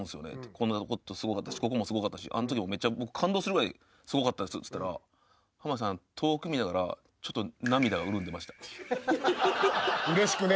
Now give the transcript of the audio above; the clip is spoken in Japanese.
こんなすごかったしここもすごかったしあんときも僕感動するぐらいすごかったですっつったら濱家さん遠く見ながらちょっと涙が潤んでました。